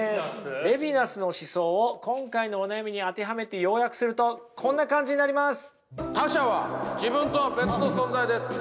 レヴィナスの思想を今回のお悩みに当てはめて要約するとこんな感じになります。